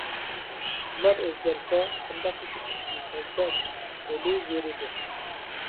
ئۇلار ئۆزگەرسە، قانداقلىكى ئىش يۈز بەرسە بولۇۋېرىدۇ.